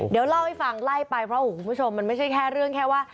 เดี๋ยวเล่าให้ฟังไล่ไปเพราะคุณผู้ชมมันไม่ใช่แค่เรื่องแค่ว่า